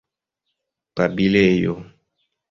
babilejo